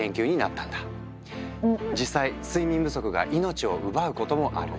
実際睡眠不足が命を奪うこともある。